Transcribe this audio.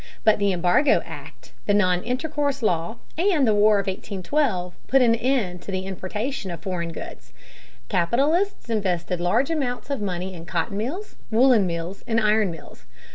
But the Embargo Act, the non intercourse law, and the War of 1812 put an end to the importation of foreign goods. Capitalists invested large amounts of money in cotton mills, woolen mills, and iron mills.